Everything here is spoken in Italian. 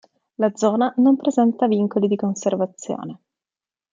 La zona non presenta vincoli di conservazione.